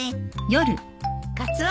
カツオ